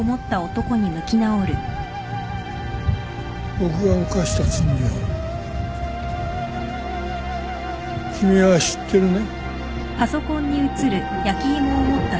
僕が犯した罪を君は知ってるね。